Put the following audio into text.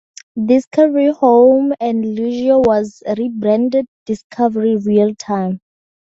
Discovery Home and Leisure was rebranded Discovery Real Time.